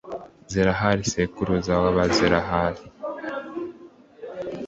zerahi sekuruza w’abazerahi.